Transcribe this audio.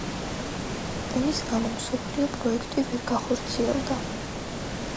ომის გამო მსოფლიო პროექტი ვერ გახორციელდა.